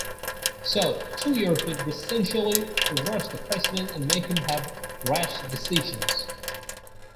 So, two years would essentially rush the president and make him have rash decisions.